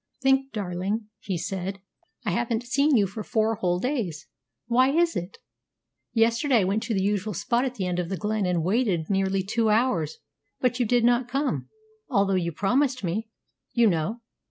"Think, darling," he said, "I haven't seen you for four whole days! Why is it? Yesterday I went to the usual spot at the end of the glen, and waited nearly two hours; but you did not come, although you promised me, you know.